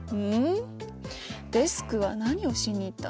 デスクは何をしに行ったんだろう？